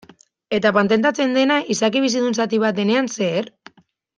Eta patentatzen dena izaki bizidun zati bat denean zer?